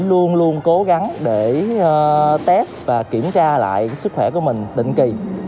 luôn luôn cố gắng để test và kiểm tra lại sức khỏe của mình định kỳ